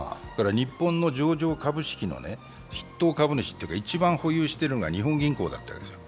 日本の上場株式の筆頭株主というか、一番保有しているのが日本銀行だったわけですよ。